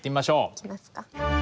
行きますか。